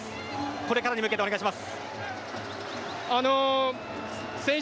これからに向けてお願いします。